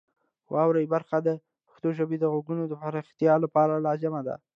واورئ برخه د پښتو ژبې د غږونو د پراختیا لپاره لازمه ده.